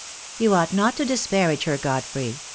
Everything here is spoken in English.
"You ought not to disparage her, Godfrey.